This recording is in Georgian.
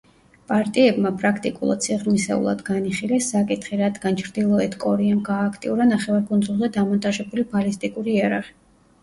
პარტიებმა, პრაქტიკულად, სიღრმისეულად განიხილეს საკითხი, რადგან ჩრდილოეთ კორეამ გაააქტიურა ნახევარკუნძულზე დამონტაჟებული ბალისტიკური იარაღი.